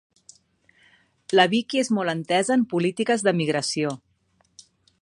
La Vicky és molt entesa en polítiques de migració.